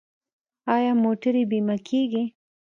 آیا موټرې بیمه کیږي؟